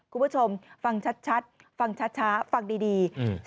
คุณผู้ชมฟังชัดฟังช้าฟังดี